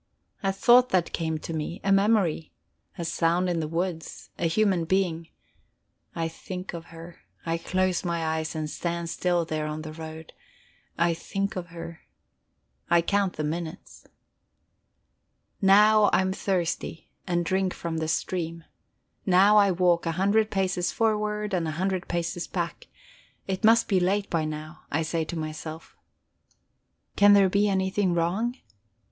A thought that came to me, a memory; a sound in the woods, a human being. I think of her, I close my eyes and stand still there on the road, and think of her; I count the minutes. Now I am thirsty, and drink from the stream; now I walk a hundred paces forward and a hundred paces back; it must be late by now, I say to myself. Can there be anything wrong?